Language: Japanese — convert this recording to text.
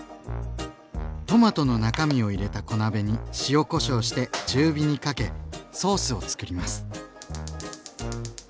トマトの中身を入れた小鍋に塩・こしょうして中火にかけソースをつくります。